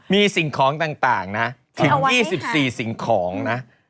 มีสิ่งของต่างนะถึง๒๔สิ่งของนะ